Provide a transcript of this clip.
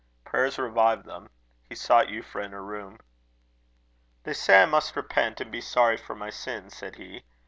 Prayers revived them. He sought Euphra in her room. "They say I must repent and be sorry for my sins," said he.